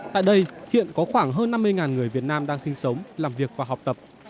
tại đây hiện có khoảng hơn năm mươi người việt nam đang sinh sống làm việc và học tập